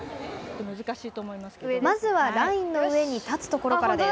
まずは、ラインの上に立つところからです。